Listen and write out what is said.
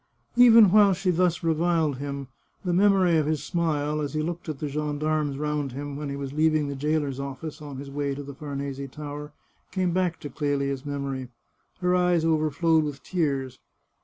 Even while she thus reviled him the memory of his smile, as he looked at the gendarmes round him when he was leaving the jailer's office on his way to the Farnese Tower, came back to Clelia's memory. Her eyes overflowed with tears.